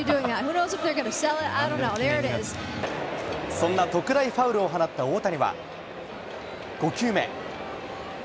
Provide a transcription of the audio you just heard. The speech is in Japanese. そんな特大ファウルを放った大谷は、５球目。